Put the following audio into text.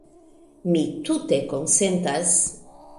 Mi tute konsentas.